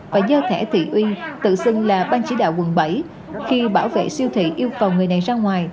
và do thẻ thị uyên tự xưng là ban chỉ đạo quận bảy khi bảo vệ siêu thị yêu cầu người này ra ngoài